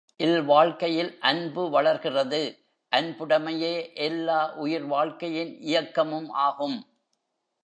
இல்வாழ்க்கையில் அன்பு வளர்கிறது அன்புடைமையே எல்லா உயிர்வாழ்க்கையின் இயக்கமும் ஆகும்.